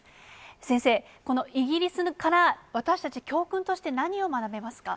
先生、このイギリスから私たち、教訓として何を学べますか？